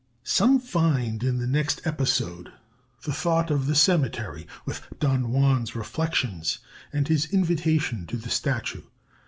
Some find in the next episode the thought of the cemetery, with Don Juan's reflections and his invitation to the Statue.